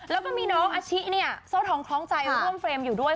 แล้วก็มีน้องอาชิเนี่ยโซ่ทองคล้องใจร่วมเฟรมอยู่ด้วย